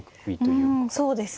うんそうですね。